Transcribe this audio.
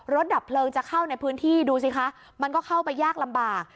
ดับเพลิงจะเข้าในพื้นที่ดูสิคะมันก็เข้าไปยากลำบาก